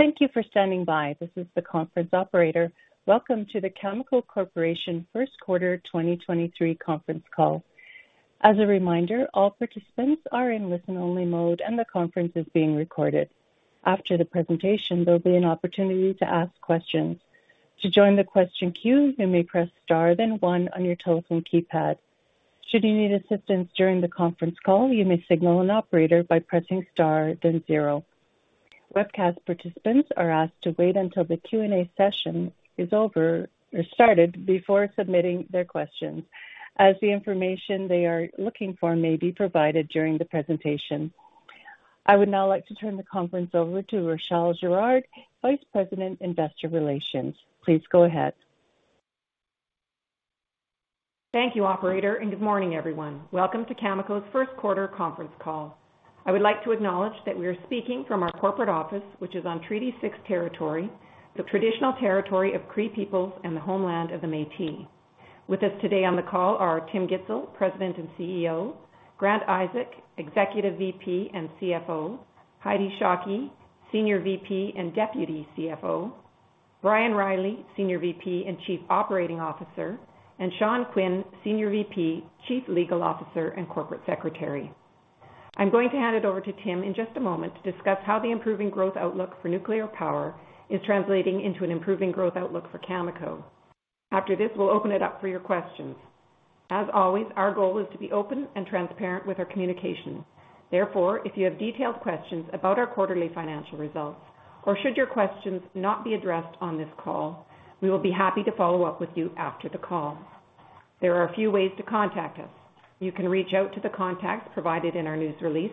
Thank you for standing by. This is the conference operator. Welcome to the Cameco Corporation First Quarter 2023 conference call. As a reminder, all participants are in listen-only mode, and the conference is being recorded. After the presentation, there'll be an opportunity to ask questions. To join the question queue, you may press Star, then one on your telephone keypad. Should you need assistance during the conference call, you may signal an operator by pressing Star, then zero. Webcast participants are asked to wait until the Q&A session is over or started before submitting their uestions, as the information they are looking for may be provided during the presentation. I would now like to turn the conference over to Rachelle Girard, Vice President, Investor Relations. Please go ahead. Thank you, operator, and good morning, everyone. Welcome to Cameco's first quarter conference call. I would like to acknowledge that we are speaking from our corporate office, which is on Treaty six territory, the traditional territory of Cree peoples and the homeland of the Métis. With us today on the call are Tim Gitzel, President and CEO, Grant Isaac, Executive VP and CFO, Heidi Shockey, Senior VP and Deputy CFO, Brian Reilly, Senior VP and Chief Operating Officer, and Sean Quinn, Senior VP, Chief Legal Officer, and Corporate Secretary. I'm going to hand it over to Tim in just a moment to discuss how the improving growth outlook for nuclear power is translating into an improving growth outlook for Cameco. After this, we'll open it up for your questions. As always, our goal is to be open and transparent with our communication. Therefore, if you have detailed questions about our quarterly financial results or should your questions not be addressed on this call, we will be happy to follow up with you after the call. There are a few ways to contact us. You can reach out to the contacts provided in our news release.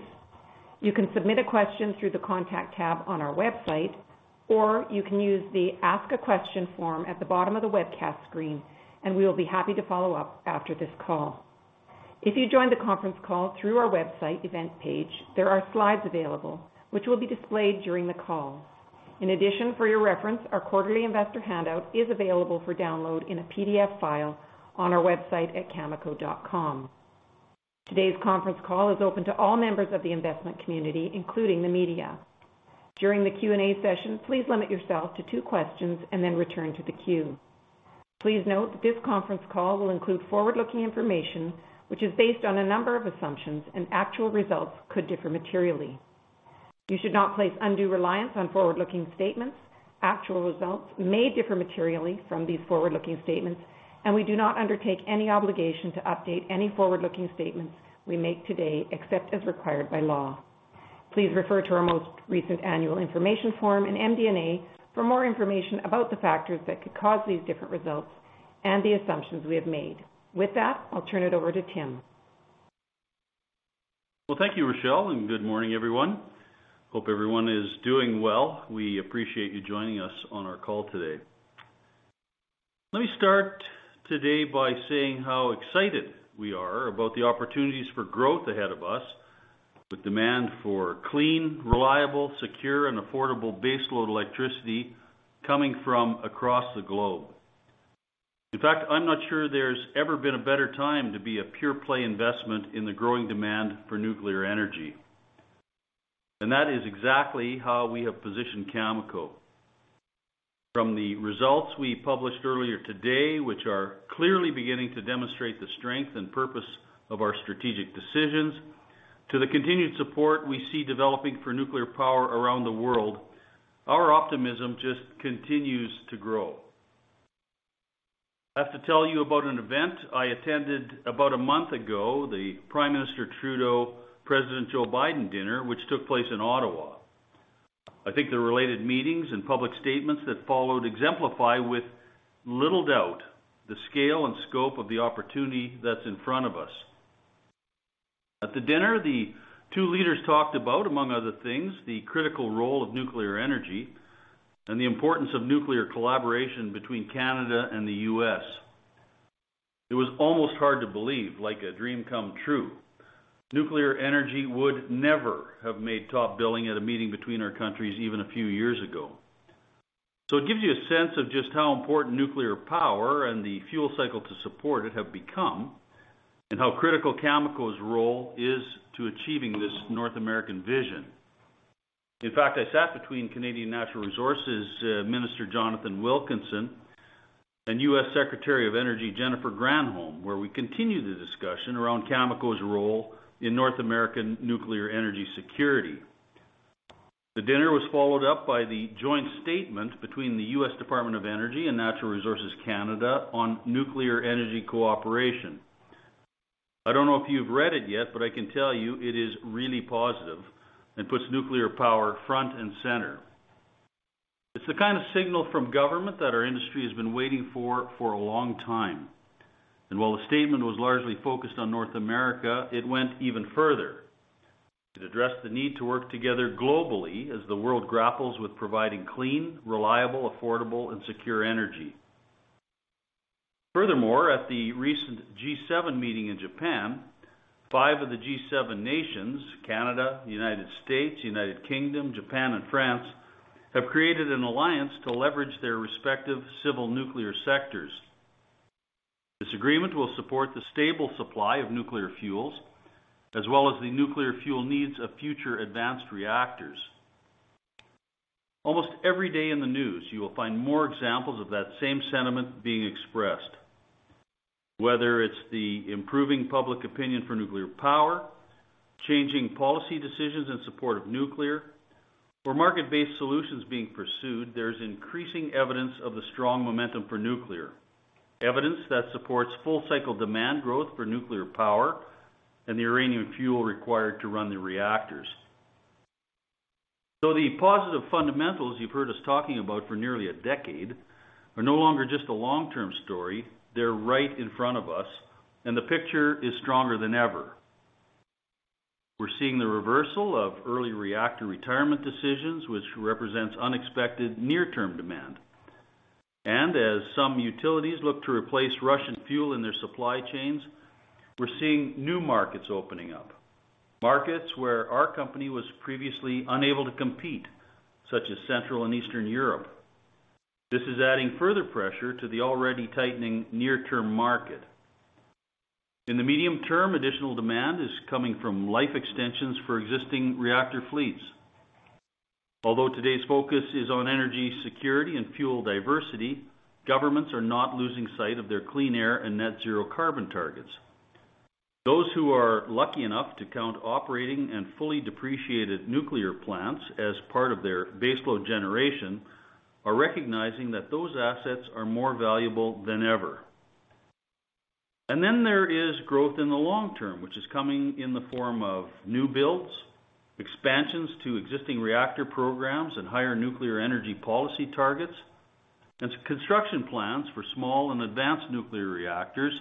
You can submit a question through the Contact tab on our website, or you can use the Ask a Question form at the bottom of the webcast screen, and we will be happy to follow up after this call. If you joined the conference call through our website event page, there are slides available which will be displayed during the call. In addition, for your reference, our quarterly investor handout is available for download in a PDF file on our website at cameco.com. Today's conference call is open to all members of the investment community, including the media. During the Q&A session, please limit yourself to two questions and then return to the queue. Please note that this conference call will include forward-looking information, which is based on a number of assumptions, and actual results could differ materially. You should not place undue reliance on forward-looking statements. Actual results may differ materially from these forward-looking statements, and we do not undertake any obligation to update any forward-looking statements we make today, except as required by law. Please refer to our most recent annual information form and MD&A for more information about the factors that could cause these different results and the assumptions we have made. With that, I'll turn it over to Tim. Well, thank you, Rachelle. Good morning, everyone. Hope everyone is doing well. We appreciate you joining us on our call today. Let me start today by saying how excited we are about the opportunities for growth ahead of us with demand for clean, reliable, secure, and affordable baseload electricity coming from across the globe. In fact, I'm not sure there's ever been a better time to be a pure-play investment in the growing demand for nuclear energy. That is exactly how we have positioned Cameco. From the results we published earlier today, which are clearly beginning to demonstrate the strength and purpose of our strategic decisions to the continued support we see developing for nuclear power around the world, our optimism just continues to grow. I have to tell you about an event I attended about a month ago, the Prime Minister Trudeau, President Joe Biden dinner, which took place in Ottawa. I think the related meetings and public statements that followed exemplify with little doubt the scale and scope of the opportunity that's in front of us. At the dinner, the two leaders talked about, among other things, the critical role of nuclear energy and the importance of nuclear collaboration between Canada and the U.S. It was almost hard to believe, like a dream come true. Nuclear energy would never have made top billing at a meeting between our countries even a few years ago. It gives you a sense of just how important nuclear power and the fuel cycle to support it have become, and how critical Cameco's role is to achieving this North American vision. In fact, I sat between Canadian Natural Resources Minister Jonathan Wilkinson and U.S. Secretary of Energy Jennifer Granholm, where we continued the discussion around Cameco's role in North American nuclear energy security. The dinner was followed up by the joint statement between the U.S. Department of Energy and Natural Resources Canada on nuclear energy cooperation. I don't know if you've read it yet, but I can tell you it is really positive and puts nuclear power front and center. It's the kind of signal from government that our industry has been waiting for for a long time. While the statement was largely focused on North America, it went even further. It addressed the need to work together globally as the world grapples with providing clean, reliable, affordable, and secure energy. At the recent G7 meeting in Japan, five of the G7 nations, Canada, United States, United Kingdom, Japan, and France, have created an alliance to leverage their respective civil nuclear sectors. This agreement will support the stable supply of nuclear fuels as well as the nuclear fuel needs of future advanced reactors. Almost every day in the news, you will find more examples of that same sentiment being expressed. Whether it's the improving public opinion for nuclear power, changing policy decisions in support of nuclear or market-based solutions being pursued, there's increasing evidence of the strong momentum for nuclear, evidence that supports full cycle demand growth for nuclear power and the uranium fuel required to run the reactors. Though the positive fundamentals you've heard us talking about for nearly a decade are no longer just a long-term story, they're right in front of us, and the picture is stronger than ever. We're seeing the reversal of early reactor retirement decisions, which represents unexpected near-term demand. As some utilities look to replace Russian fuel in their supply chains, we're seeing new markets opening up, markets where our company was previously unable to compete, such as Central and Eastern Europe. This is adding further pressure to the already tightening near-term market. In the medium term, additional demand is coming from life extensions for existing reactor fleets. Although today's focus is on energy security and fuel diversity, governments are not losing sight of their clean air and net zero carbon targets. Those who are lucky enough to count operating and fully depreciated nuclear plants as part of their baseload generation are recognizing that those assets are more valuable than ever. There is growth in the long term, which is coming in the form of new builds, expansions to existing reactor programs and higher nuclear energy policy targets, and construction plans for small and advanced nuclear reactors,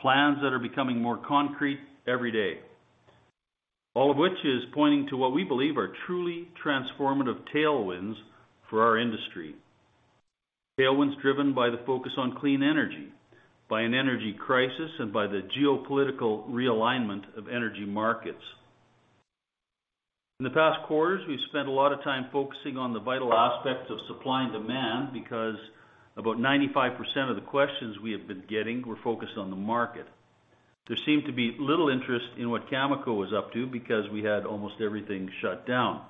plans that are becoming more concrete every day. All of which is pointing to what we believe are truly transformative tailwinds for our industry. Tailwinds driven by the focus on clean energy, by an energy crisis, and by the geopolitical realignment of energy markets. In the past quarters, we've spent a lot of time focusing on the vital aspects of supply and demand because about 95% of the questions we have been getting were focused on the market. There seemed to be little interest in what Cameco was up to because we had almost everything shut down.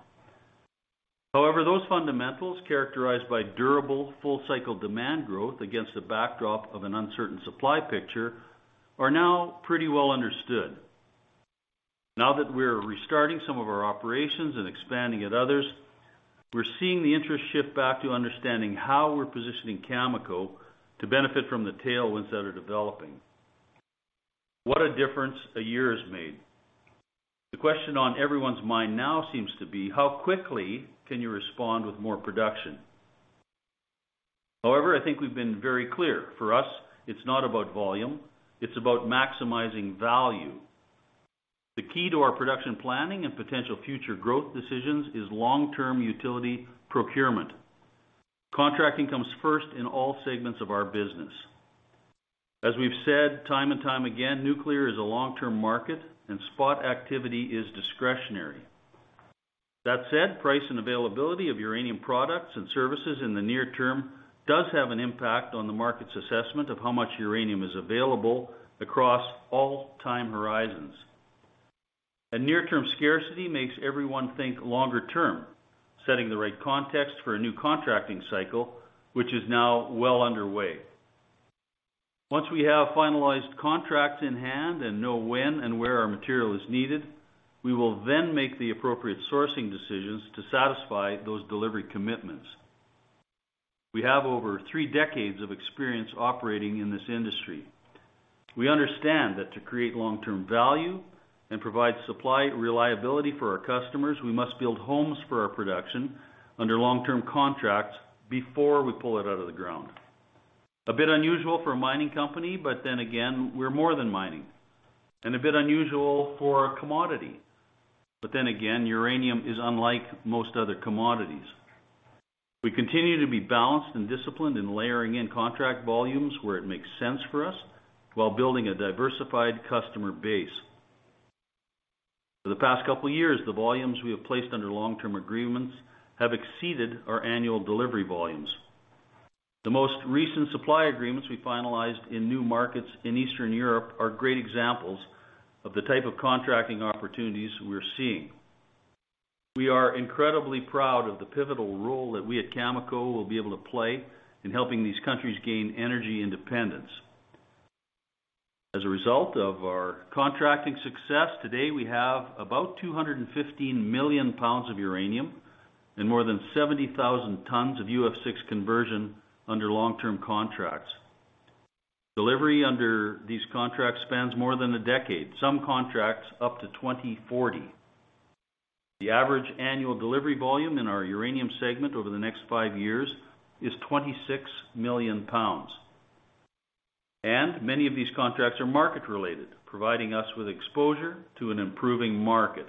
Those fundamentals, characterized by durable full cycle demand growth against the backdrop of an uncertain supply picture, are now pretty well understood. Now that we're restarting some of our operations and expanding at others, we're seeing the interest shift back to understanding how we're positioning Cameco to benefit from the tailwinds that are developing. What a difference a year has made. The question on everyone's mind now seems to be how quickly can you respond with more production? I think we've been very clear. For u.s, it's not about volume, it's about maximizing value. The key to our production planning and potential future growth decisions is long-term utility procurement. Contracting comes first in all segments of our business. As we've said time and time again, nuclear is a long-term market and spot activity is discretionary. That said, price and availability of uranium products and services in the near term does have an impact on the market's assessment of how much uranium is available across all time horizons. A near-term scarcity makes everyone think longer term, setting the right context for a new contracting cycle, which is now well underway. Once we have finalized contracts in hand and know when and where our material is needed, we will then make the appropriate sourcing decisions to satisfy those delivery commitments. We have over three decades of experience operating in this industry. We understand that to create long-term value and provide supply reliability for our customers, we must build homes for our production under long-term contracts before we pull it out of the ground. A bit unusual for a mining company, but then again, we're more than mining. A bit unusual for a commodity, but then again, uranium is unlike most other commodities. We continue to be balanced and disciplined in layering in contract volumes where it makes sense for us while building a diversified customer base. For the past couple years, the volumes we have placed under long-term agreements have exceeded our annual delivery volumes. The most recent supply agreements we finalized in new markets in Eastern Europe are great examples of the type of contracting opportunities we're seeing. We are incredibly proud of the pivotal role that we at Cameco will be able to play in helping these countries gain energy independence. As a result of our contracting success, today we have about 215 million pounds of uranium and more than 70,000 tons of UF6 conversion under long-term contracts. Delivery under these contracts spans more than a decade, some contracts up to 2040. The average annual delivery volume in our uranium segment over the next five years is 26 million pounds, and many of these contracts are market related, providing us with exposure to an improving market.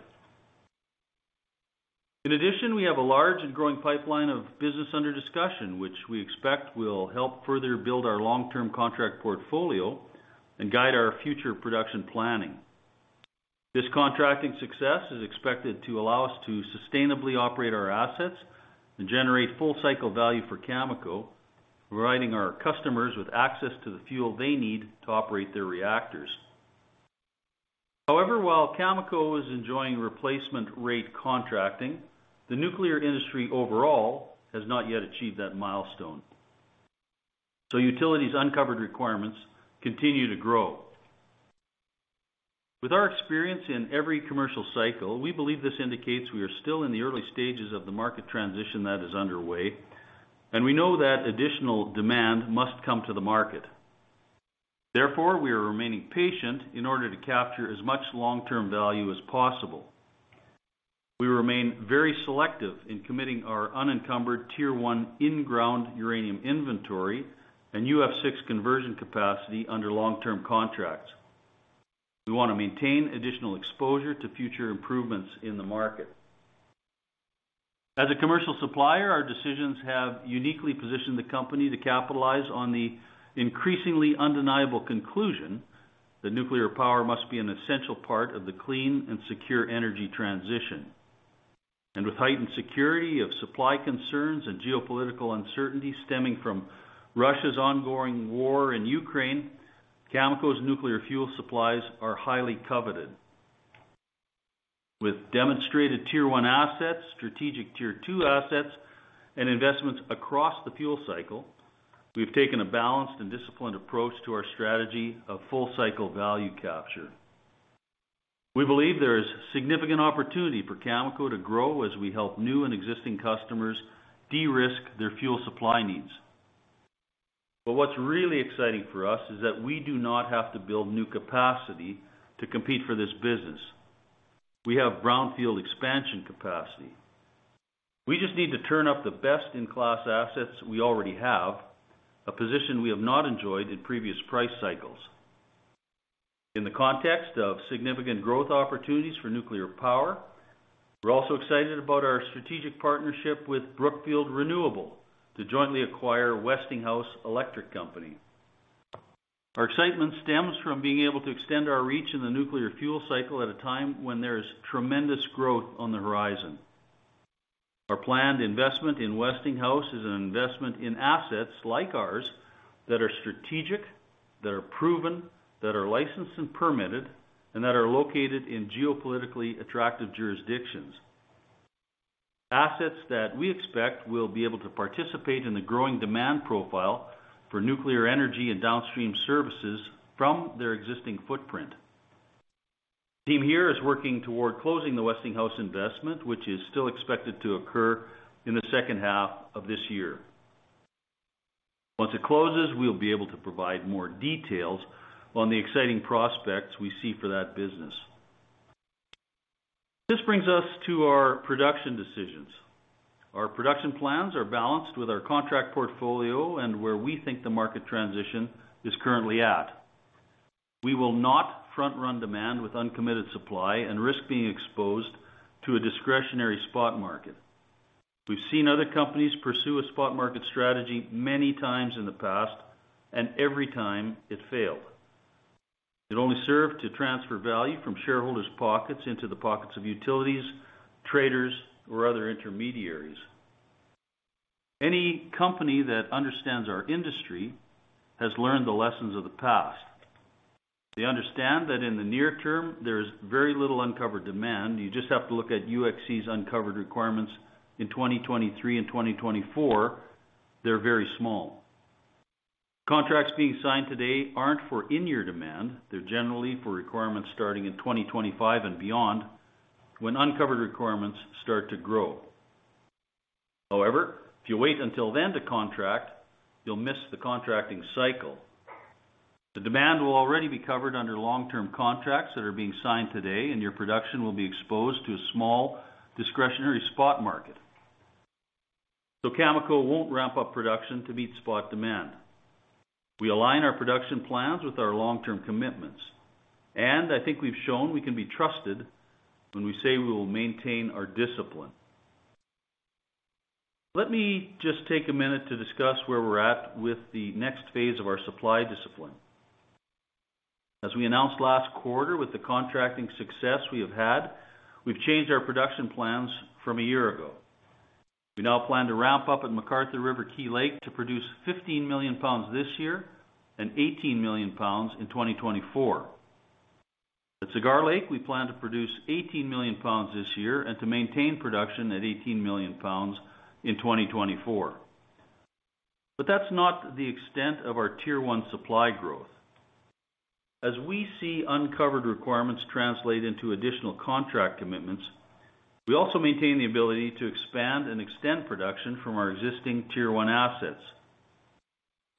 In addition, we have a large and growing pipeline of business under discussion, which we expect will help further build our long-term contract portfolio and guide our future production planning. This contracting success is expected to allow us to sustainably operate our assets and generate full cycle value for Cameco, providing our customers with access to the fuel they need to operate their reactors. While Cameco is enjoying replacement rate contracting, the nuclear industry overall has not yet achieved that milestone, so utilities' uncovered requirements continue to grow. With our experience in every commercial cycle, we believe this indicates we are still in the early stages of the market transition that is underway, and we know that additional demand must come to the market. We are remaining patient in order to capture as much long-term value as possible. We remain very selective in committing our unencumbered Tier one in-ground uranium inventory and UF6 conversion capacity under long-term contracts. We want to maintain additional exposure to future improvements in the market. As a commercial supplier, our decisions have uniquely positioned the company to capitalize on the increasingly undeniable conclusion that nuclear power must be an essential part of the clean and secure energy transition. With heightened security of supply concerns and geopolitical uncertainty stemming from Russia's ongoing war in Ukraine, Cameco's nuclear fuel supplies are highly coveted. With demonstrated Tier 1 assets, strategic Tier 2 assets, and investments across the fuel cycle, we've taken a balanced and disciplined approach to our strategy of full cycle value capture. We believe there is significant opportunity for Cameco to grow as we help new and existing customers de-risk their fuel supply needs. What's really exciting for us is that we do not have to build new capacity to compete for this business. We have brownfield expansion capacity. We just need to turn up the best-in-class assets we already have, a position we have not enjoyed in previous price cycles. In the context of significant growth opportunities for nuclear power, we're also excited about our strategic partnership with Brookfield Renewable to jointly acquire Westinghouse Electric Company. Our excitement stems from being able to extend our reach in the nuclear fuel cycle at a time when there is tremendous growth on the horizon. Our planned investment in Westinghouse is an investment in assets like ours that are strategic, that are proven, that are licensed and permitted, and that are located in geopolitically attractive jurisdictions. Assets that we expect will be able to participate in the growing demand profile for nuclear energy and downstream services from their existing footprint. The team here is working toward closing the Westinghouse investment, which is still expected to occur in the second half of this year. Once it closes, we'll be able to provide more details on the exciting prospects we see for that business. This brings us to our production decisions. Our production plans are balanced with our contract portfolio and where we think the market transition is currently at. We will not front run demand with uncommitted supply and risk being exposed to a discretionary spot market. We've seen other companies pursue a spot market strategy many times in the past, and every time it failed. It only served to transfer value from shareholders' pockets into the pockets of utilities, traders, or other intermediaries. Any company that understands our industry has learned the lessons of the past. They understand that in the near term, there is very little uncovered demand. You just have to look at UxC's uncovered requirements in 2023 and 2024. They're very small. Contracts being signed today aren't for in-year demand. They're generally for requirements starting in 2025 and beyond, when uncovered requirements start to grow. However, if you wait until then to contract, you'll miss the contracting cycle. The demand will already be covered under long-term contracts that are being signed today, and your production will be exposed to a small discretionary spot market. Cameco won't ramp up production to meet spot demand. We align our production plans with our long-term commitments, and I think we've shown we can be trusted when we say we will maintain our discipline. Let me just take a minute to discuss where we're at with the next phase of our supply discipline. As we announced last quarter, with the contracting success we have had, we've changed our production plans from a year ago. We now plan to ramp up at McArthur River/Key Lake to produce 15 million pounds this year and 18 million pounds in 2024. At Cigar Lake, we plan to produce 18 million pounds this year and to maintain production at 18 million pounds in 2024. That's not the extent of our Tier One supply growth. As we see uncovered requirements translate into additional contract commitments, we also maintain the ability to expand and extend production from our existing Tier One assets.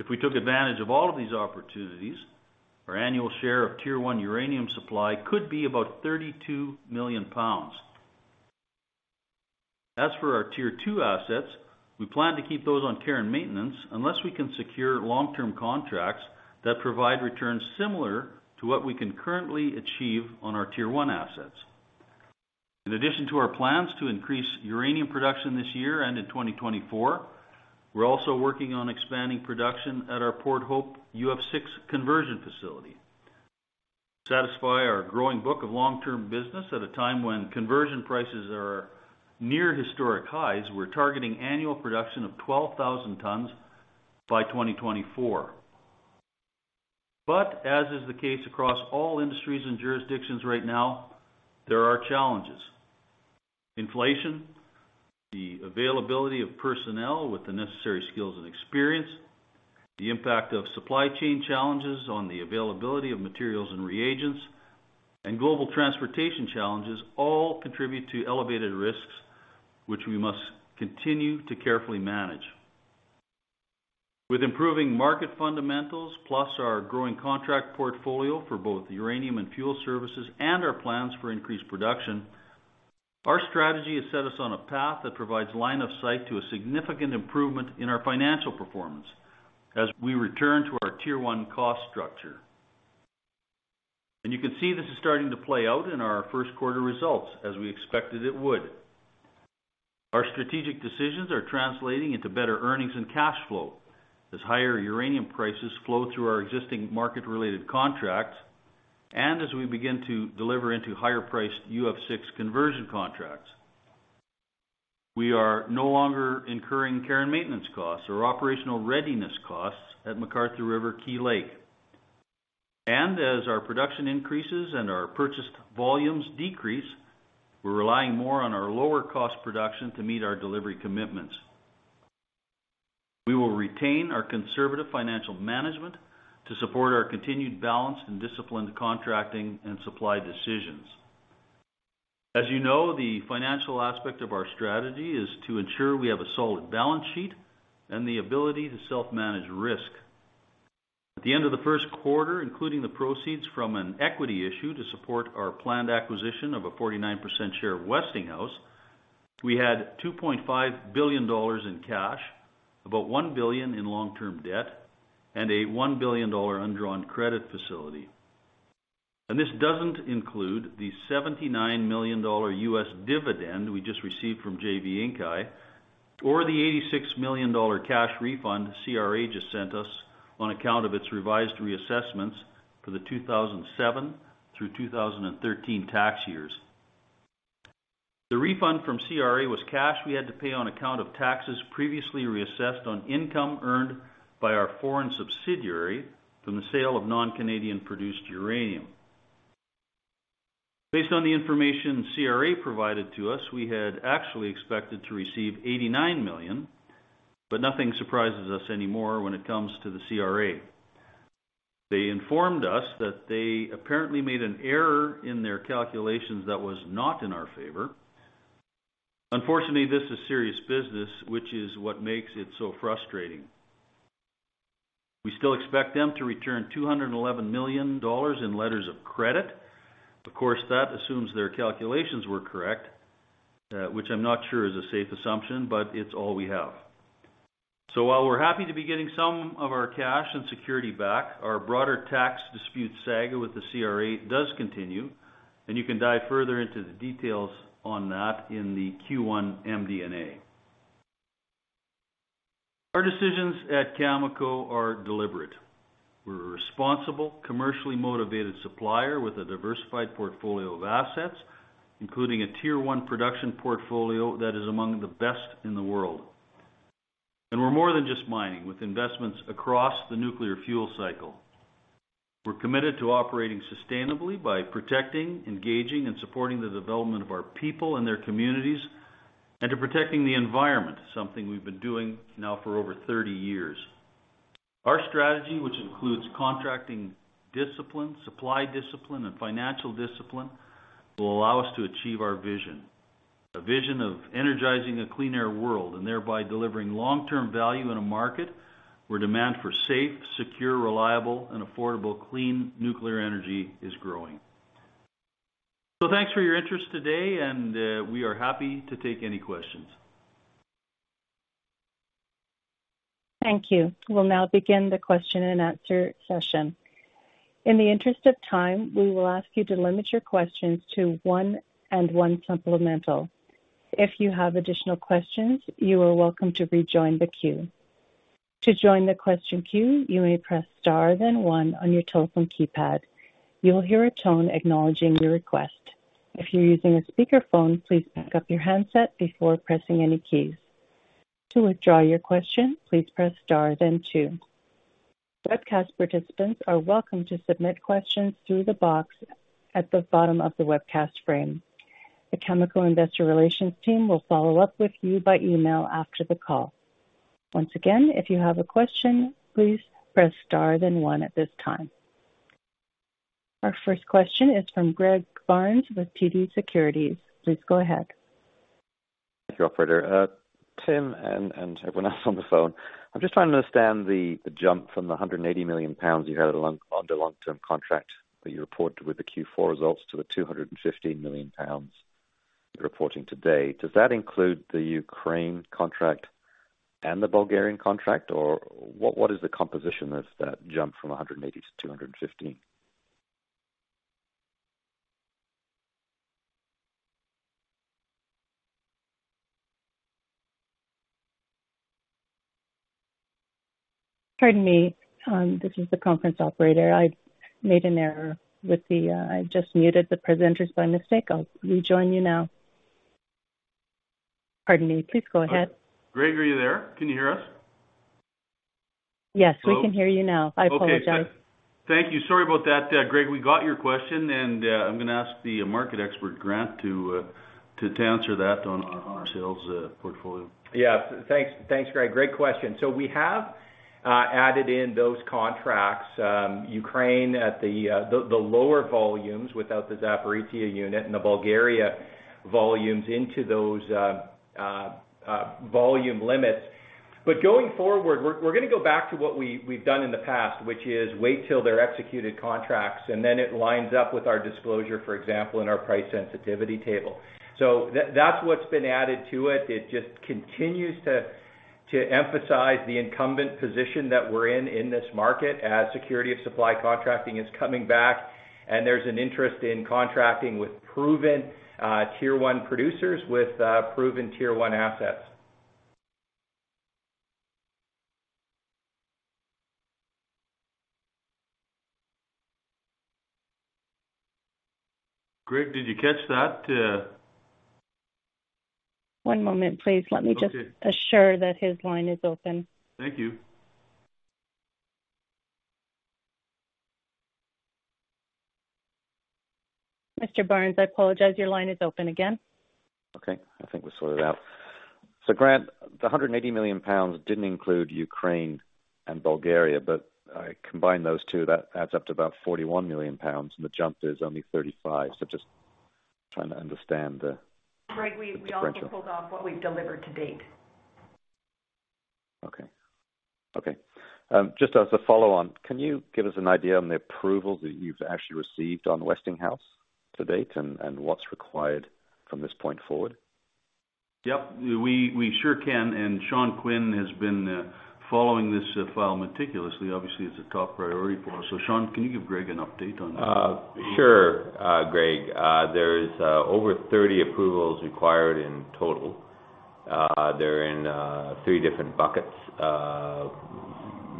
If we took advantage of all of these opportunities, our annual share of Tier One uranium supply could be about 32 million pounds. As for our Tier Two assets, we plan to keep those on care and maintenance unless we can secure long-term contracts that provide returns similar to what we can currently achieve on our Tier One assets. In addition to our plans to increase uranium production this year and in 2024, we're also working on expanding production at our Port Hope UF6 conversion facility. Satisfy our growing book of long-term business at a time when conversion prices are near historic highs. We're targeting annual production of 12,000 tons by 2024. As is the case across all industries and jurisdictions right now, there are challenges. Inflation, the availability of personnel with the necessary skills and experience, the impact of supply chain challenges on the availability of materials and reagents, and global transportation challenges all contribute to elevated risks, which we must continue to carefully manage. With improving market fundamentals, plus our growing contract portfolio for both uranium and fuel services and our plans for increased production, our strategy has set us on a path that provides line of sight to a significant improvement in our financial performance as we return to our Tier 1 cost structure. You can see this is starting to play out in our first quarter results, as we expected it would. Our strategic decisions are translating into better earnings and cash flow as higher uranium prices flow through our existing market related contracts and as we begin to deliver into higher priced UF6 conversion contracts. We are no longer incurring care and maintenance costs or operational readiness costs at McArthur River/Key Lake. As our production increases and our purchase volumes decrease, we're relying more on our lower cost production to meet our delivery commitments. We will retain our conservative financial management to support our continued balance and disciplined contracting and supply decisions. As you know, the financial aspect of our strategy is to ensure we have a solid balance sheet and the ability to self-manage risk. At the end of the first quarter, including the proceeds from an equity issue, to support our planned acquisition of a 49% share of Westinghouse, we had 2.5 billion dollars in cash, about 1 billion in long term debt, and a 1 billion dollar undrawn credit facility. This doesn't include the $79 million US dividend we just received from JV Inkai or the 86 million dollar cash refund CRA just sent us on account of its revised reassessments for the 2007-2013 tax years. The refund from CRA was cash we had to pay on account of taxes previously reassessed on income earned by our foreign subsidiary from the sale of non-Canadian produced uranium. Based on the information CRA provided to us, we had actually expected to receive 89 million. Nothing surprises us anymore when it comes to the CRA. They informed us that they apparently made an error in their calculations that was not in our favor. Unfortunately, this is serious business, which is what makes it so frustrating. We still expect them to return 211 million dollars in letters of credit. Of course, that assumes their calculations were correct, which I'm not sure is a safe assumption. It's all we have. While we're happy to be getting some of our cash and security back, our broader tax dispute saga with the CRA does continue. You can dive further into the details on that in the Q1 MD&A. Our decisions at Cameco are deliberate. We're a responsible, commercially motivated supplier with a diversified portfolio of assets, including a Tier 1 production portfolio that is among the best in the world. We're more than just mining with investments across the nuclear fuel cycle. We're committed to operating sustainably by protecting, engaging, and supporting the development of our people and their communities, and to protecting the environment, something we've been doing now for over 30 years. Our strategy, which includes contracting discipline, supply discipline, and financial discipline, will allow us to achieve our vision. A vision of energizing a clean air world and thereby delivering long term value in a market where demand for safe, secure, reliable and affordable clean nuclear energy is growing. Thanks for your interest today and we are happy to take any questions. Thank you. We'll now begin the question and answer session. In the interest of time, we will ask you to limit your questions to one and one supplemental. If you have additional questions, you are welcome to rejoin the queue. To join the question queue, you may press Star then one on your telephone keypad. You will hear a tone acknowledging your request. If you're using a speakerphone, please pick up your handset before pressing any keys. To withdraw your question, please press Star then two. Webcast participants are welcome to submit questions through the box at the bottom of the webcast frame. The Cameco investor relations team will follow up with you by email after the call. Once again, if you have a question, please press Star then one at this time. Our first question is from Greg Barnes with TD Securities. Please go ahead. Thank you, Operator. Tim and everyone else on the phone, I'm just trying to understand the jump from the 180 million pounds you had on the long-term contract that you reported with the Q4 results to the 215 million pounds you're reporting today. Does that include the Ukraine contract and the Bulgarian contract? Or what is the composition of that jump from 180 to 215? Pardon me, this is the conference operator. I made an error with the... I just muted the presenters by mistake. I'll rejoin you now. Pardon me. Please go ahead. Greg, are you there? Can you hear us? Yes, we can hear you now. I apologize. Okay. Thank you. Sorry about that. Greg, we got your question, and I'm gonna ask the market expert, Grant, to answer that on our sales portfolio. Yes. Thanks. Thanks, Greg. Great question. We have added in those contracts, Ukraine at the lower volumes without the Zaporizhzhia unit and the Bulgaria volumes into those volume limits. Going forward, we're gonna go back to what we've done in the past, which is wait till they're executed contracts, and then it lines up with our disclosure, for example, in our price sensitivity table. That's what's been added to it. It just continues to emphasize the incumbent position that we're in in this market as security of supply contracting is coming back, and there's an interest in contracting with proven Tier 1 producers with proven Tier 1 assets. Greg, did you catch that? One moment, please. Let me just- Okay. assure that his line is open. Thank you. Mr. Barnes, I apologize. Your line is open again. Okay. I think we're sorted out. Grant, the 180 million pounds didn't include Ukraine and Bulgaria, I combined those two, that adds up to about 41 million pounds, the jump there's only 35. Just trying to understand the. Greg, we only pulled off what we've delivered to date. Okay. Okay. just as a follow on, can you give us an idea on the approvals that you've actually received on Westinghouse to date and what's required from this point forward? Yep, we sure can. Sean Quinn has been following this file meticulously. Obviously, it's a top priority for us. Sean, can you give Greg an update on that? Sure, Greg. There's over 30 approvals required in total. They're in 3 different buckets.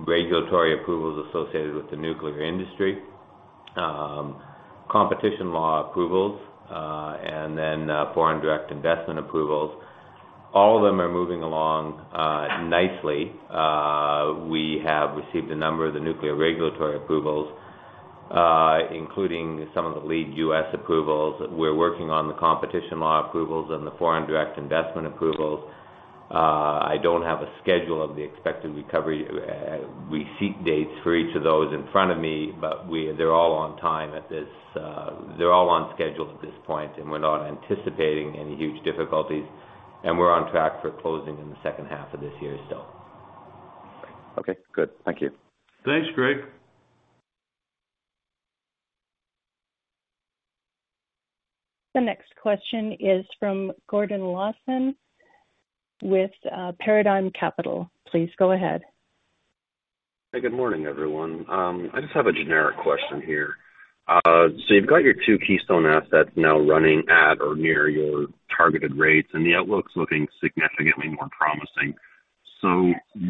Regulatory approvals associated with the nuclear industry, competition law approvals, and then foreign direct investment approvals. All of them are moving along nicely. We have received a number of the nuclear regulatory approvals, including some of the lead U.S. approvals. We're working on the competition law approvals and the foreign direct investment approvals. I don't have a schedule of the expected recovery receipt dates for each of those in front of me, but they're all on schedule at this point, and we're not anticipating any huge difficulties, and we're on track for closing in the second half of this year still. Okay, good. Thank you. Thanks, Greg. The next question is from Gordon Lawson with Paradigm Capital. Please go ahead. Hey, good morning, everyone. I just have a generic question here. You've got your two keystone assets now running at or near your targeted rates, and the outlook's looking significantly more promising.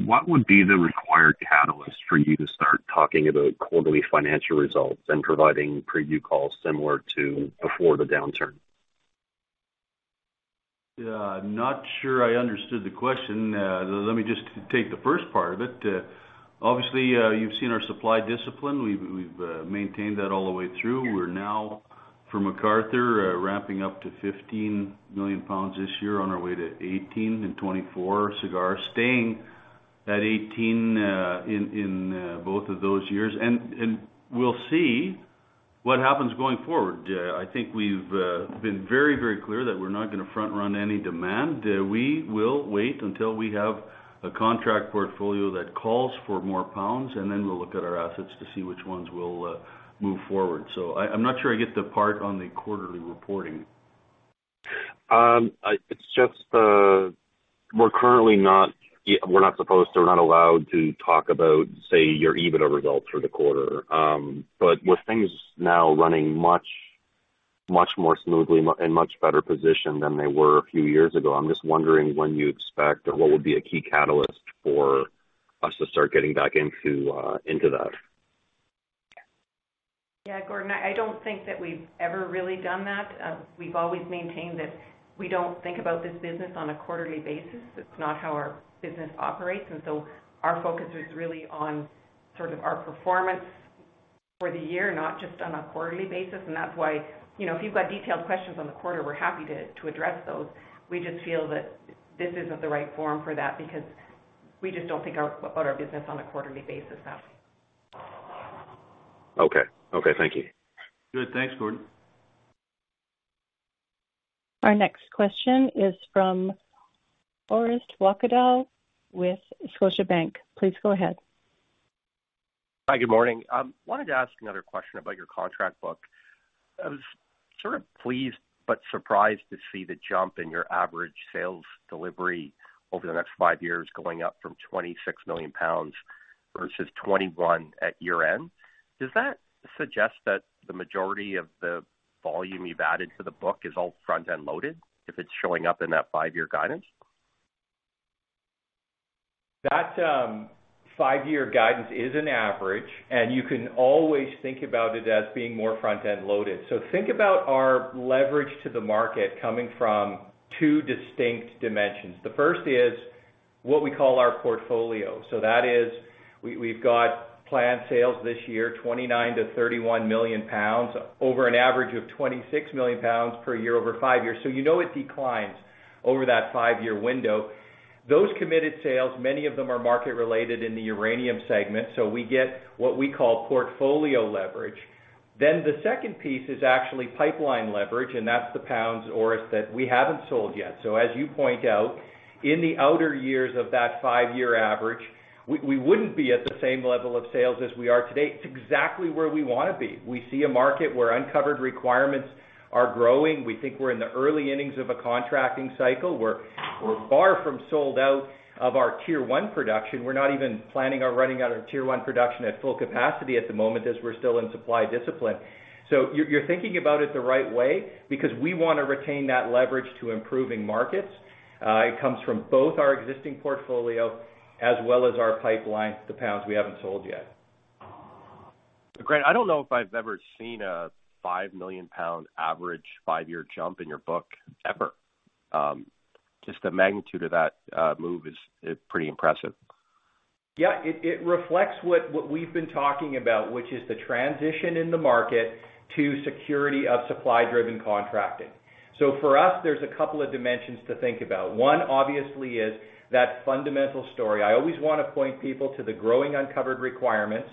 What would be the required catalyst for you to start talking about quarterly financial results and providing preview calls similar to before the downturn? Yeah. I'm not sure I understood the question. Let me just take the first part of it. Obviously, you've seen our supply discipline. We've maintained that all the way through. We're now, for MacArthur, ramping up to 15 million pounds this year on our way to 18 and 24 Cigar, staying at 18 in both of those years. We'll see what happens going forward. I think we've been very clear that we're not gonna front-run any demand. We will wait until we have a contract portfolio that calls for more pounds, and then we'll look at our assets to see which ones we'll move forward. I'm not sure I get the part on the quarterly reporting. I... It's just, we're currently not we're not supposed to, we're not allowed to talk about, say, your EBITDA results for the quarter. With things now running much more smoothly, and much better position than they were a few years ago, I'm just wondering when you expect or what would be a key catalyst for us to start getting back into that? Yeah, Gordon, I don't think that we've ever really done that. We've always maintained that we don't think about this business on a quarterly basis. It's not how our business operates. Our focus is really on sort of our performance for the year, not just on a quarterly basis. That's why, you know, if you've got detailed questions on the quarter, we're happy to address those. We just feel that this isn't the right forum for that because we just don't think about our business on a quarterly basis now. Okay. Okay, thank you. Good. Thanks, Gordon. Our next question is from Orest Wowkodaw with Scotiabank. Please go ahead. Hi, good morning. wanted to ask another question about your contract book. I was sort of pleased but surprised to see the jump in your average sales delivery over the next 5 years, going up from 26 million pounds versus 21 at year-end. Does that suggest that the majority of the volume you've added to the book is all front-end loaded if it's showing up in that 5-year guidance? That five-year guidance is an average. You can always think about it as being more front-end loaded. Think about our leverage to the market coming from two distinct dimensions. The first is what we call our portfolio. That is we've got planned sales this year, 29 million-31 million pounds over an average of 26 million pounds per year over five years. You know it declines over that five-year window. Those committed sales, many of them are market-related in the uranium segment, so we get what we call portfolio leverage. The second piece is actually pipeline leverage, and that's the pounds, Orest, that we haven't sold yet. As you point out, in the outer years of that five-year average, we wouldn't be at the same level of sales as we are today. It's exactly where we wanna be. We see a market where uncovered requirements are growing. We think we're in the early innings of a contracting cycle, where we're far from sold out of our Tier 1 production. We're not even planning on running out of Tier 1 production at full capacity at the moment, as we're still in supply discipline. You're thinking about it the right way because we wanna retain that leverage to improving markets. It comes from both our existing portfolio as well as our pipeline, the pounds we haven't sold yet. Grant, I don't know if I've ever seen a 5 million pound average 5-year jump in your book ever. Just the magnitude of that move is pretty impressive. Yeah. It reflects what we've been talking about, which is the transition in the market to security of supply-driven contracting. For us, there's a couple of dimensions to think about. One, obviously, is that fundamental story. I always wanna point people to the growing uncovered requirements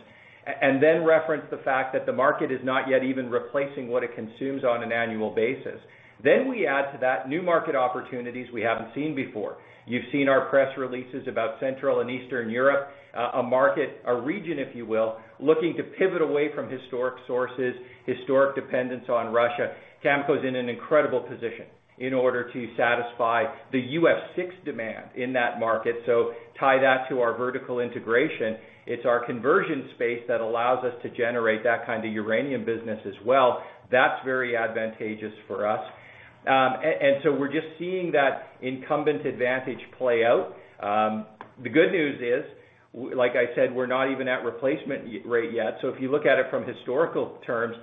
and then reference the fact that the market is not yet even replacing what it consumes on an annual basis. We add to that new market opportunities we haven't seen before. You've seen our press releases about Central and Eastern Europe, a market, a region, if you will, looking to pivot away from historic sources, historic dependence on Russia. Cameco is in an incredible position in order to satisfy the UF6 demand in that market. Tie that to our vertical integration. It's our conversion space that allows us to generate that kind of uranium business as well. That's very advantageous for us. We're just seeing that incumbent advantage play out. The good news is, like I said, we're not even at replacement rate yet. If you look at it from historical terms,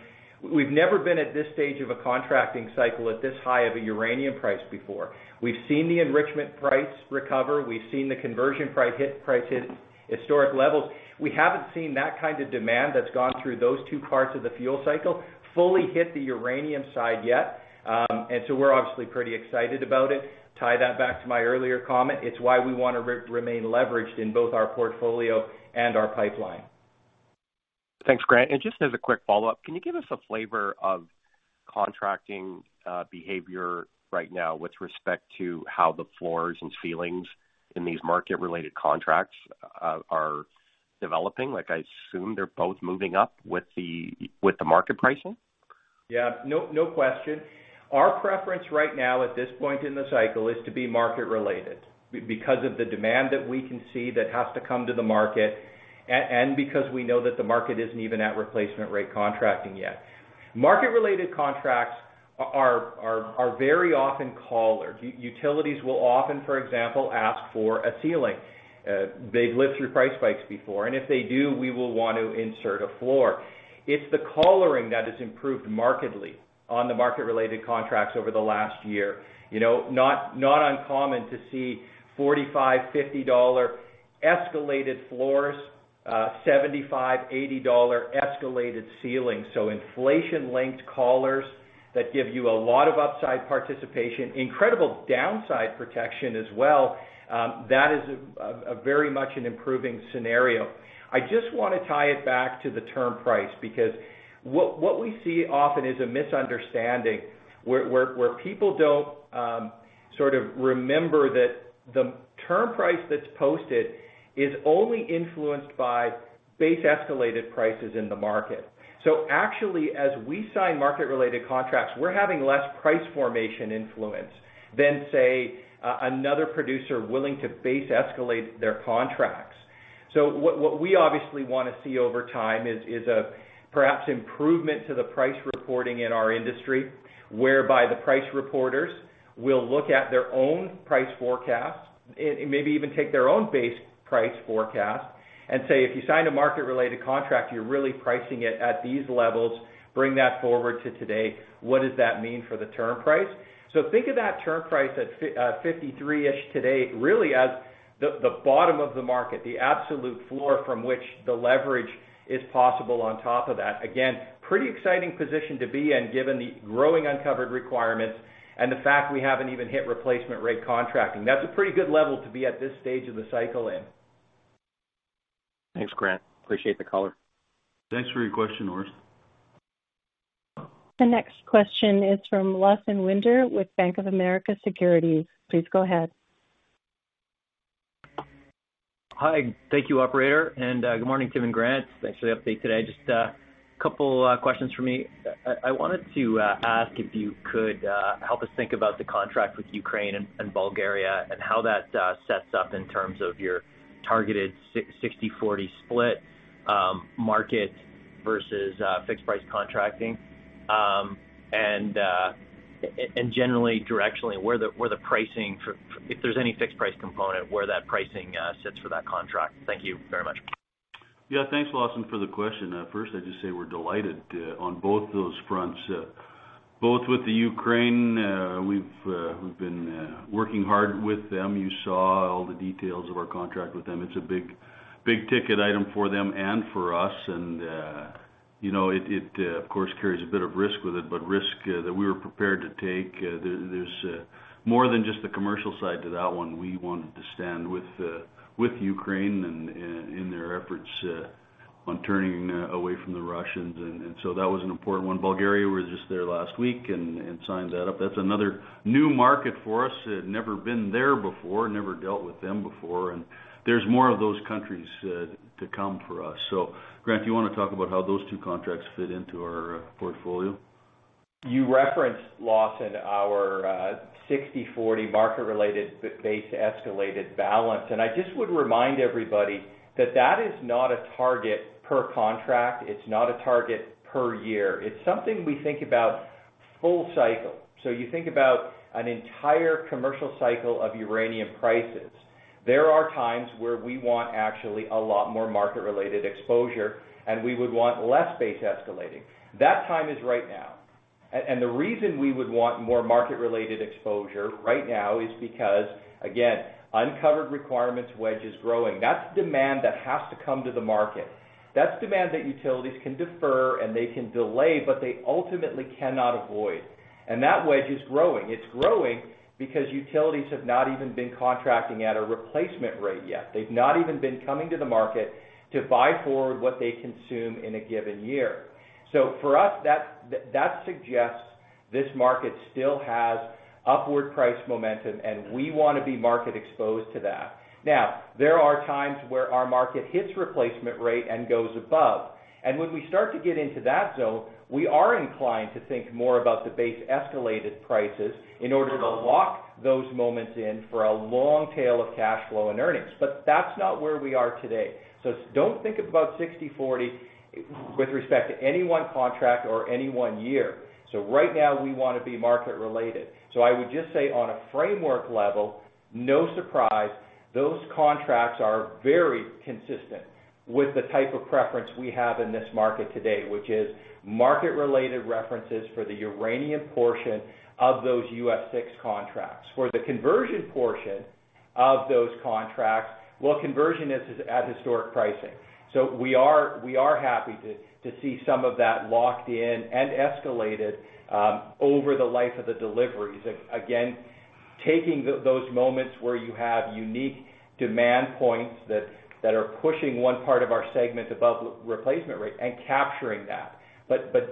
we've never been at this stage of a contracting cycle at this high of a uranium price before. We've seen the enrichment price recover. We've seen the conversion price hit historic levels. We haven't seen that kind of demand that's gone through those two parts of the fuel cycle fully hit the uranium side yet. We're obviously pretty excited about it. Tie that back to my earlier comment. It's why we wanna remain leveraged in both our portfolio and our pipeline. Thanks, Grant. Just as a quick follow-up, can you give us a flavor of contracting behavior right now with respect to how the floors and ceilings in these market-related contracts are developing? Like, I assume they're both moving up with the market pricing? Yeah. No, no question. Our preference right now at this point in the cycle is to be market related because of the demand that we can see that has to come to the market and because we know that the market isn't even at replacement rate contracting yet. Market-related contracts are very often collared. Utilities will often, for example, ask for a ceiling. They've lived through price spikes before. If they do, we will want to insert a floor. It's the collaring that has improved markedly on the market-related contracts over the last year. You know, not uncommon to see $45-$50 escalated floors, $75-$80 escalated ceilings. Inflation-linked collars that give you a lot of upside participation, incredible downside protection as well, that is a very much an improving scenario. I just wanna tie it back to the term price because what we see often is a misunderstanding where people don't sort of remember that the term price that's posted is only influenced by base escalated prices in the market. Actually, as we sign market-related contracts, we're having less price formation influence than, say, another producer willing to base escalate their contracts. What we obviously wanna see over time is a perhaps improvement to the price reporting in our industry, whereby the price reporters will look at their own price forecast and maybe even take their own base price forecast and say, "If you sign a market-related contract, you're really pricing it at these levels. Bring that forward to today. What does that mean for the term price? Think of that term price at 53-ish today really as the bottom of the market, the absolute floor from which the leverage is possible on top of that. Again, pretty exciting position to be in given the growing uncovered requirements and the fact we haven't even hit replacement rate contracting. That's a pretty good level to be at this stage of the cycle in. Thanks, Grant. Appreciate the color. Thanks for your question, Orest. The next question is from Lawson Winder with Bank of America Securities. Please go ahead. Hi. Thank you, operator. Good morning, Tim and Grant. Thanks for the update today. Just a couple questions for me. I wanted to ask if you could help us think about the contract with Ukraine and Bulgaria and how that sets up in terms of your targeted 60/40 split, market versus fixed price contracting. Generally, directionally, where the pricing for if there's any fixed price component, where that pricing sits for that contract. Thank you very much. Yeah. Thanks, Lawson, for the question. First, I'd just say we're delighted on both those fronts. Both with the Ukraine, we've been working hard with them. You saw all the details of our contract with them. It's a big, big ticket item for them and for us. You know, it, of course, carries a bit of risk with it, but risk that we were prepared to take. There's more than just the commercial side to that one. We wanted to stand with Ukraine and in their efforts on turning away from the Russians. That was an important one. Bulgaria, we were just there last week and signed that up. That's another new market for us. never been there before, never dealt with them before, and there's more of those countries to come for us. Grant, do you wanna talk about how those two contracts fit into our portfolio? You referenced, Lawson, our 60/40 market-related base escalated balance. I just would remind everybody that that is not a target per contract. It's not a target per year. It's something we think about full cycle. You think about an entire commercial cycle of uranium prices. There are times where we want actually a lot more market-related exposure, and we would want less base escalating. That time is right now. The reason we would want more market-related exposure right now is because, again, uncovered requirements wedge is growing. That's demand that has to come to the market. That's demand that utilities can defer and they can delay, but they ultimately cannot avoid. That wedge is growing. It's growing because utilities have not even been contracting at a replacement rate yet. They've not even been coming to the market to buy forward what they consume in a given year. For us, that suggests this market still has upward price momentum, and we wanna be market exposed to that. There are times where our market hits replacement rate and goes above. When we start to get into that zone, we are inclined to think more about the base escalated prices in order to lock those moments in for a long tail of cash flow and earnings. That's not where we are today. Don't think about 60/40 with respect to any one contract or any one year. Right now, we wanna be market related. I would just say on a framework level, no surprise, those contracts are very consistent with the type of preference we have in this market today, which is market-related references for the uranium portion of those UF6 contracts. For the conversion portion of those contracts, well, conversion is at historic pricing. We are happy to see some of that locked in and escalated over the life of the deliveries. Again, taking those moments where you have unique demand points that are pushing one part of our segment above replacement rate and capturing that.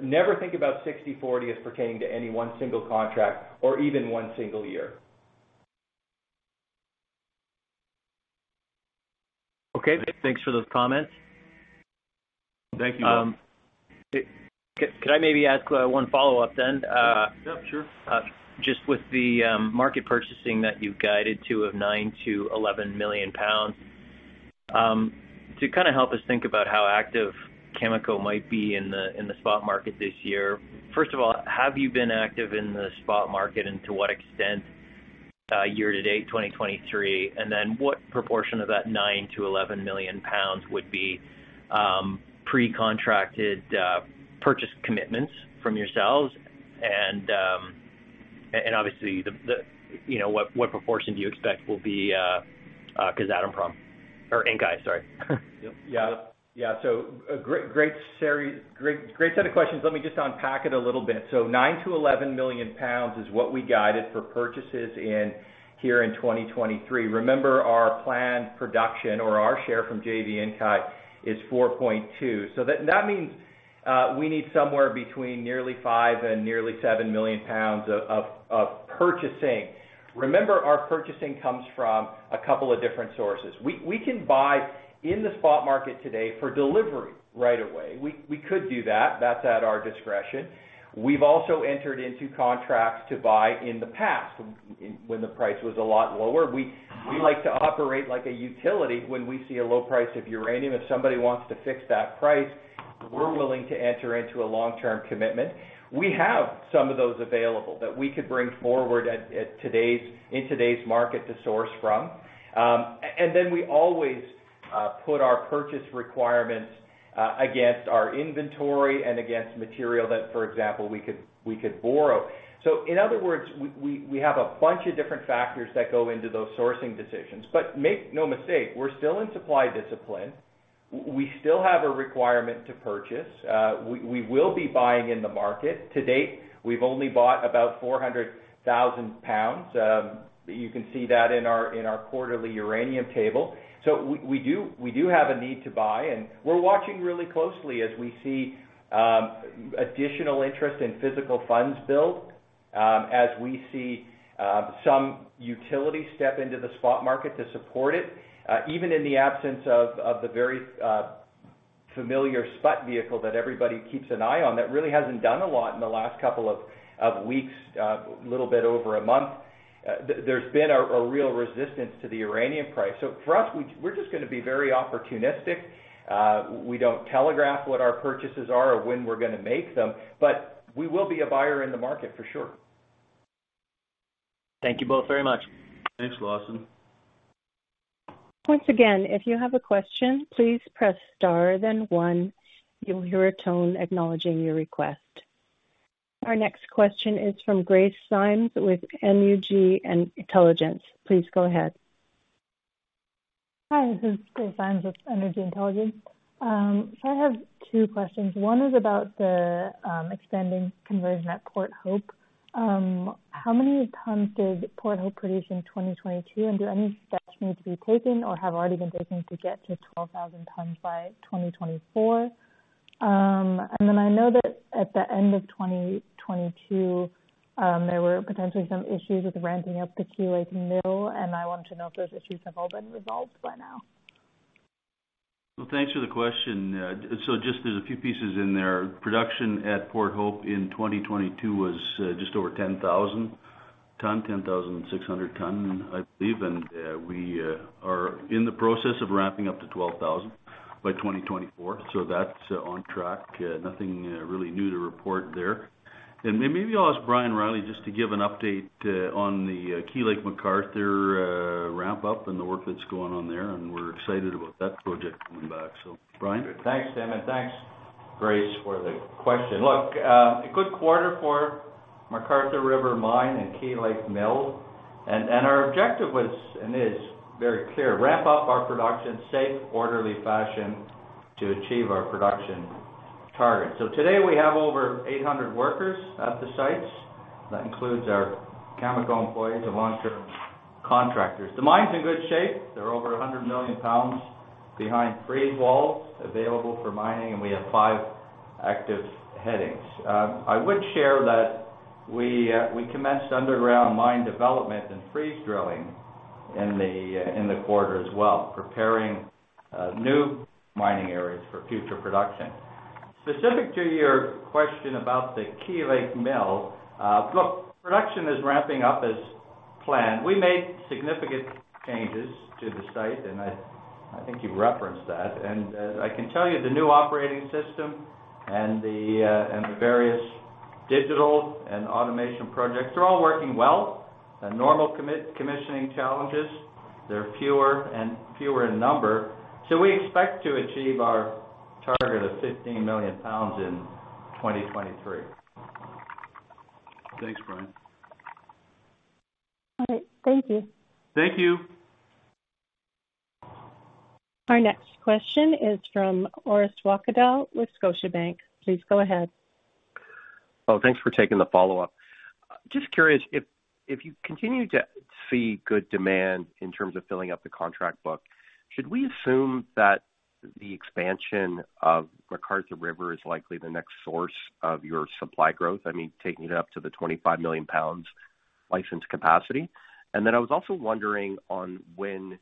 Never think about 60/40 as pertaining to any one single contract or even one single year. Okay. Thanks for those comments. Thank you. Could I maybe ask one follow-up then? Yeah, sure. Just with the market purchasing that you've guided to of 9-11 million pounds, to kind of help us think about how active Cameco might be in the spot market this year, first of all, have you been active in the spot market? To what extent year to date 2023? What proportion of that 9-11 million pounds would be pre-contracted purchase commitments from yourselves? Obviously, you know, what proportion do you expect will be Kazatomprom or Inkai? Sorry. Yeah. Yeah. A great series, great set of questions. Let me just unpack it a little bit. 9 to 11 million pounds is what we guided for purchases in here in 2023. Remember, our planned production or our share from JV Inkai is 4.2. That means we need somewhere between nearly 5 and nearly 7 million pounds of purchasing. Remember, our purchasing comes from a couple of different sources. We can buy in the spot market today for delivery right away. We could do that. That's at our discretion. We've also entered into contracts to buy in the past when the price was a lot lower. We like to operate like a utility when we see a low price of uranium. If somebody wants to fix that price, we're willing to enter into a long-term commitment. We have some of those available that we could bring forward at today's in today's market to source from. Then we always put our purchase requirements against our inventory and against material that, for example, we could borrow. In other words, we have a bunch of different factors that go into those sourcing decisions. Make no mistake, we're still in supply discipline. We still have a requirement to purchase. We will be buying in the market. To date, we've only bought about 400,000 pounds. You can see that in our quarterly uranium table. We do have a need to buy, and we're watching really closely as we see additional interest in physical funds build. As we see, some utility step into the spot market to support it, even in the absence of the very familiar SPUT vehicle that everybody keeps an eye on, that really hasn't done a lot in the last couple of weeks, little bit over a month, there's been a real resistance to the uranium price. For us, we're just gonna be very opportunistic. We don't telegraph what our purchases are or when we're gonna make them, but we will be a buyer in the market for sure. Thank you both very much. Thanks, Lawson. Once again, if you have a question, please press Star, then One. You'll hear a tone acknowledging your request. Our next question is from Grace Symes with Energy Intelligence. Please go ahead. Hi, this is Grace Symes with Energy Intelligence. I have two questions. One is about the expanding conversion at Port Hope. How many tons did Port Hope produce in 2022, and do any steps need to be taken or have already been taken to get to 12,000 tons by 2024? Then I know that at the end of 2022, there were potentially some issues with ramping up the Key Lake mill, and I wanted to know if those issues have all been resolved by now. Well, thanks for the question. Just there's a few pieces in there. Production at Port Hope in 2022 was just over 10,000 ton, 10,600 ton, I believe. We are in the process of ramping up to 12,000 by 2024, so that's on track. Nothing really new to report there. Maybe I'll ask Brian Reilly just to give an update on the Key Lake McArthur ramp-up and the work that's going on there, and we're excited about that project coming back. Brian? Thanks, Tim, and thanks, Grace, for the question. Look, a good quarter for McArthur River Mine and Key Lake Mill. Our objective was and is very clear: Ramp up our production, safe, orderly fashion to achieve our production target. Today we have over 800 workers at the sites. That includes our Cameco employees and long-term contractors. The mine's in good shape. There are over 100 million pounds behind freeze walls available for mining, and we have 5 active headings. I would share that we commenced underground mine development and freeze drilling in the quarter as well, preparing new mining areas for future production. Specific to your question about the Key Lake Mill, look, production is ramping up as planned. We made significant changes to the site, and I think you've referenced that. As I can tell you, the new operating system and the and the various digital and automation projects are all working well. The normal commissioning challenges, they're fewer and fewer in number. We expect to achieve our target of 15 million pounds in 2023. Thanks, Brian. All right. Thank you. Thank you. Our next question is from Orest Wowkodaw with Scotiabank. Please go ahead. Oh, thanks for taking the follow-up. Just curious if you continue to see good demand in terms of filling up the contract book, should we assume that the expansion of McArthur River is likely the next source of your supply growth? I mean, taking it up to the 25 million pounds license capacity. I was also wondering on when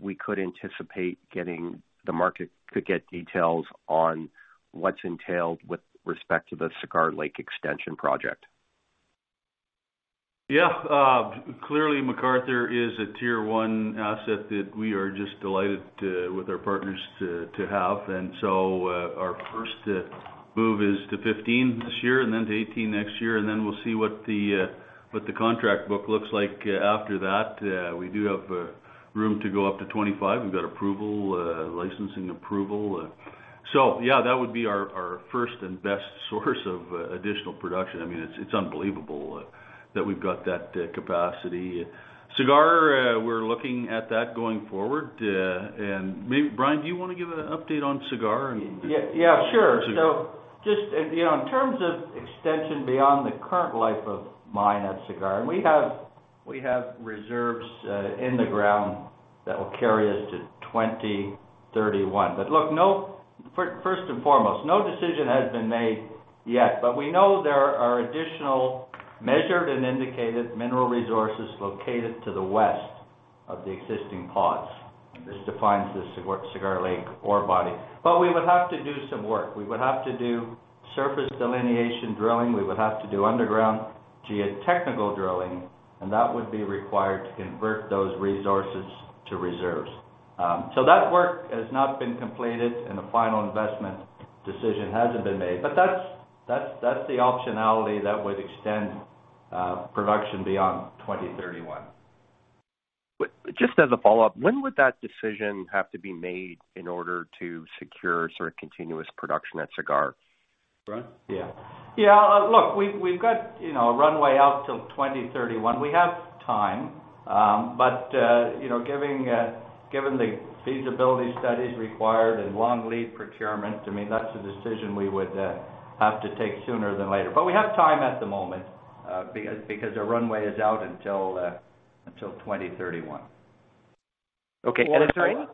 we could anticipate the market could get details on what's entailed with respect to the Cigar Lake extension project. Clearly McArthur is a Tier 1 asset that we are just delighted to, with our partners to have. Our first move is to 15 this year and then to 18 next year, and then we'll see what the contract book looks like after that. We do have room to go up to 25. We've got approval, licensing approval. That would be our first and best source of additional production. I mean, it's unbelievable that we've got that capacity. Cigar, we're looking at that going forward. Brian, do you wanna give an update on Cigar and- Yeah. Yeah, sure. Just, you know, in terms of extension beyond the current life of mine at Cigar, and we have reserves in the ground that will carry us to 2031. Look, First and foremost, no decision has been made yet, but we know there are additional measured and indicated mineral resources located to the west of the existing plots. This defines the Cigar Lake ore body. We would have to do some work. We would have to do surface delineation drilling, we would have to do underground geotechnical drilling, and that would be required to convert those resources to reserves. That work has not been completed and a final investment decision hasn't been made. That's the optionality that would extend production beyond 2031. just as a follow-up, when would that decision have to be made in order to secure sort of continuous production at Cigar? Brian? Yeah. Yeah, look, we've got, you know, a runway out till 2031. We have time, but, you know, giving, given the feasibility studies required and long lead procurement, I mean, that's a decision we would have to take sooner than later. We have time at the moment, because our runway is out until 2031. Okay. A third-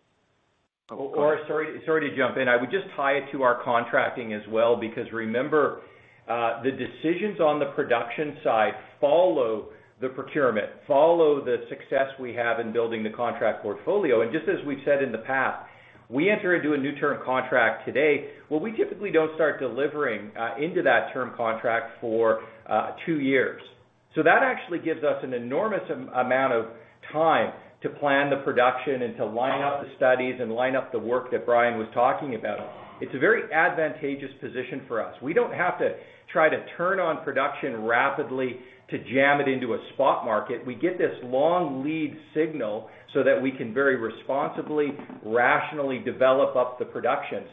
Sorry to jump in. I would just tie it to our contracting as well because remember, the decisions on the production side follow the procurement, follow the success we have in building the contract portfolio. Just as we've said in the past, we enter into a new term contract today, well, we typically don't start delivering into that term contract for two years. That actually gives us an enormous amount of time to plan the production and to line up the studies and line up the work that Brian was talking about. It's a very advantageous position for us. We don't have to try to turn on production rapidly to jam it into a spot market. We get this long lead signal so that we can very responsibly, rationally develop up the production.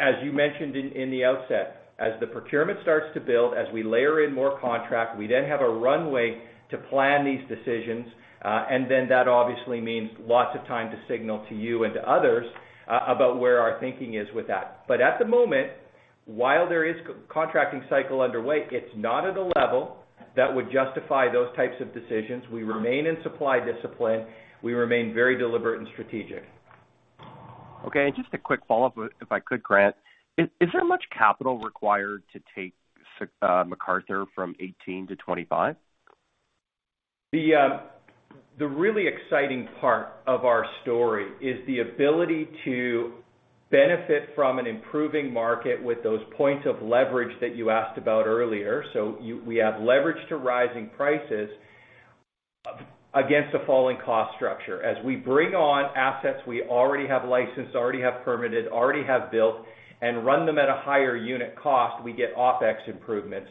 As you mentioned in the outset, as the procurement starts to build, as we layer in more contract, we then have a runway to plan these decisions, and then that obviously means lots of time to signal to you and to others about where our thinking is with that. At the moment, while there is co-contracting cycle underway, it's not at a level that would justify those types of decisions. We remain in supply discipline. We remain very deliberate and strategic. Okay. Just a quick follow-up if I could, Grant. Is there much capital required to take McArthur from 18 to 25? The really exciting part of our story is the ability to benefit from an improving market with those points of leverage that you asked about earlier. We have leverage to rising prices against a falling cost structure. As we bring on assets we already have licensed, already have permitted, already have built and run them at a higher unit cost, we get OPEX improvements.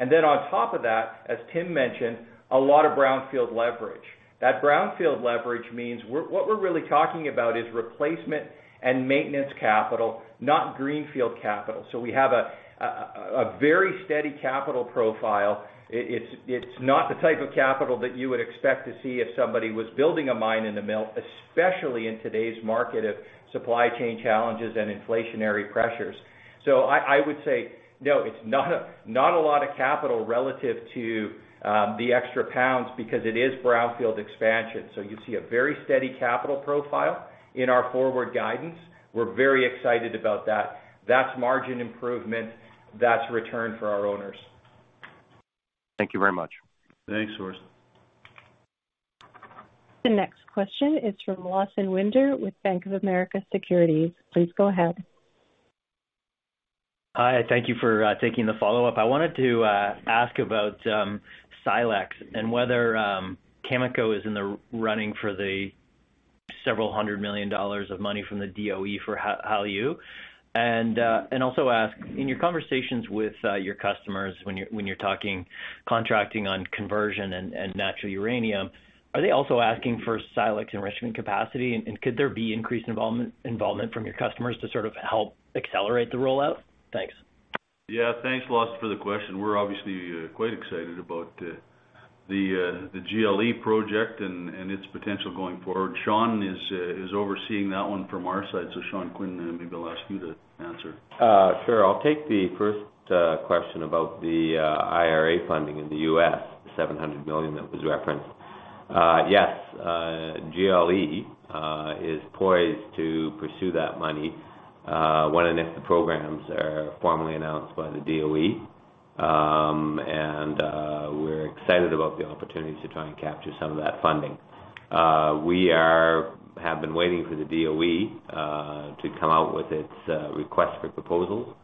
On top of that, as Tim mentioned, a lot of brownfield leverage. That brownfield leverage means what we're really talking about is replacement and maintenance capital, not greenfield capital. We have a very steady capital profile. It's not the type of capital that you would expect to see if somebody was building a mine in the mill, especially in today's market of supply chain challenges and inflationary pressures. I would say, no, it's not a lot of capital relative to the extra pounds because it is brownfield expansion. You see a very steady capital profile in our forward guidance. We're very excited about that. That's margin improvement. That's return for our owners. Thank you very much. Thanks, Orest. The next question is from Lawson Winder with Bank of America Securities. Please go ahead. Hi, thank you for taking the follow-up. I wanted to ask about Silex and whether Cameco is in the running for the several hundred million dollars of money from the DOE for HALEU. Also ask, in your conversations with your customers when you're talking contracting on conversion and natural uranium, are they also asking for Silex enrichment capacity? Could there be increased involvement from your customers to sort of help accelerate the rollout? Thanks. Yeah, thanks, Lawson, for the question. We're obviously quite excited about the GLE project and its potential going forward. Sean is overseeing that one from our side. Sean Quinn, maybe I'll ask you to answer. Sure. I'll take the first question about the IRA funding in the U.S., the $700 million that was referenced. Yes, GLE is poised to pursue that money when and if the programs are formally announced by the DOE. We're excited about the opportunity to try and capture some of that funding. We have been waiting for the DOE to come out with its request for proposals,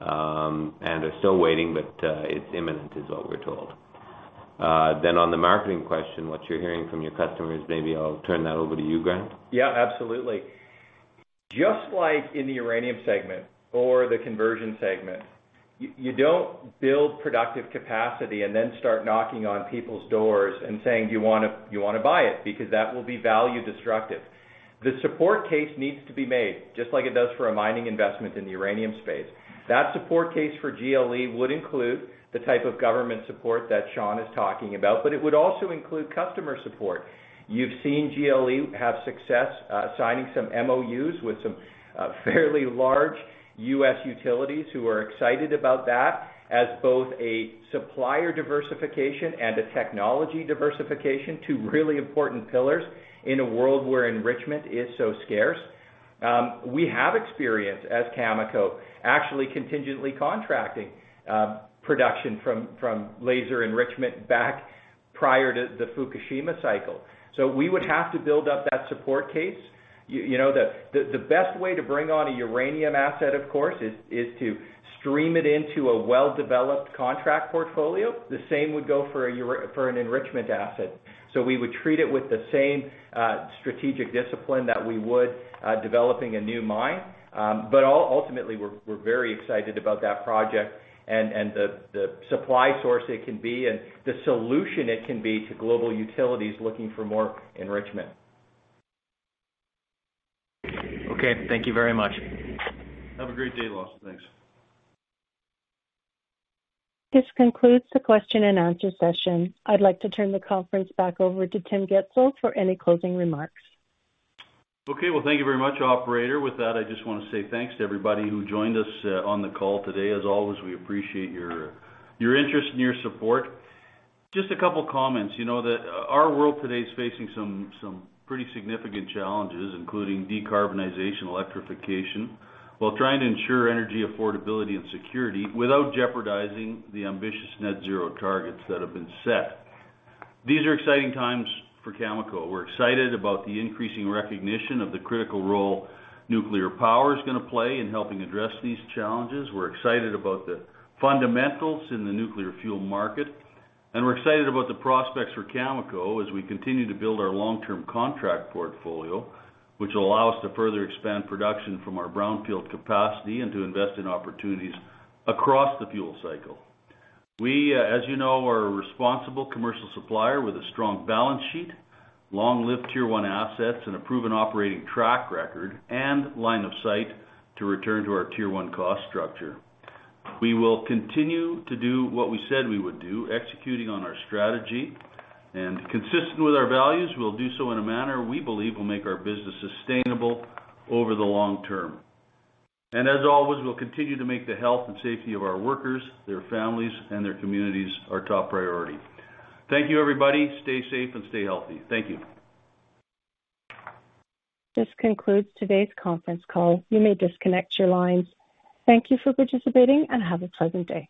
and are still waiting, but it's imminent is what we're told. On the marketing question, what you're hearing from your customers, maybe I'll turn that over to you, Grant. Absolutely. Just like in the uranium segment or the conversion segment, you don't build productive capacity and then start knocking on people's doors and saying, "Do you wanna, you wanna buy it?" That will be value destructive. The support case needs to be made, just like it does for a mining investment in the uranium space. That support case for GLE would include the type of government support that Sean is talking about, but it would also include customer support. You've seen GLE have success, signing some MOUs with some fairly large U.S. utilities who are excited about that as both a supplier diversification and a technology diversification, two really important pillars in a world where enrichment is so scarce. We have experience as Cameco actually contingently contracting production from laser enrichment back prior to the Fukushima cycle. We would have to build up that support case. You know, the best way to bring on a uranium asset, of course, is to stream it into a well-developed contract portfolio. The same would go for an enrichment asset. We would treat it with the same strategic discipline that we would developing a new mine. Ultimately, we're very excited about that project and the supply source it can be and the solution it can be to global utilities looking for more enrichment. Okay, thank you very much. Have a great day, Lawson. Thanks. This concludes the question and answer session. I'd like to turn the conference back over to Tim Gitzel for any closing remarks. Okay. Well, thank you very much, operator. With that, I just wanna say thanks to everybody who joined us on the call today. As always, we appreciate your interest and your support. Just a couple of comments, you know that our world today is facing some pretty significant challenges, including decarbonization, electrification, while trying to ensure energy affordability and security without jeopardizing the ambitious net zero targets that have been set. These are exciting times for Cameco. We're excited about the increasing recognition of the critical role nuclear power is gonna play in helping address these challenges. We're excited about the fundamentals in the nuclear fuel market. We're excited about the prospects for Cameco as we continue to build our long-term contract portfolio, which will allow us to further expand production from our brownfield capacity and to invest in opportunities across the fuel cycle. We, as you know, are a responsible commercial supplier with a strong balance sheet, long-lived Tier one assets and a proven operating track record and line of sight to return to our Tier one cost structure. We will continue to do what we said we would do, executing on our strategy and consistent with our values, we'll do so in a manner we believe will make our business sustainable over the long term. As always, we'll continue to make the health and safety of our workers, their families and their communities our top priority. Thank you, everybody. Stay safe and stay healthy. Thank you. This concludes today's conference call. You may disconnect your lines. Thank you for participating and have a pleasant day.